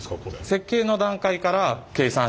設計の段階から計算しております。